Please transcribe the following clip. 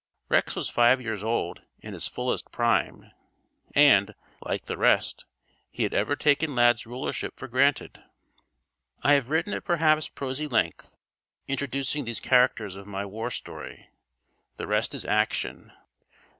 Rex was five years old in his fullest prime and, like the rest, he had ever taken Lad's rulership for granted. I have written at perhaps prosy length, introducing these characters of my war story. The rest is action.